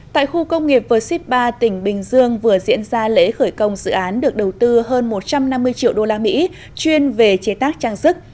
tại khu công nghiệp v ship ba tỉnh bình dương vừa diễn ra lễ khởi công dự án được đầu tư hơn một trăm năm mươi triệu đô la mỹ chuyên về chế tác trang sức